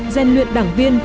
ghen luyện đảng viên